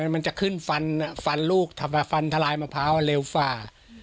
มันจะขึ้นฟันฟันลูกฟันทลายมะพร้าวเร็วฝ่า